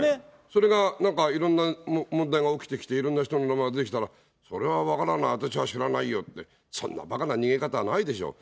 それがなんかいろんな問題が起きてきて、いろんな人が出てきたら、それは分からんな、私は知らないよって、そんなばかな逃げ方はないでしょう。